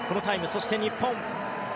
そして日本。